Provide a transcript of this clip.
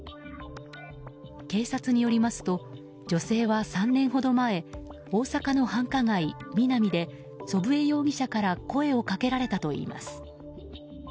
警察によりますと女性は３年ほど前大阪の繁華街ミナミで祖父江容疑者から声をかけられたといいます。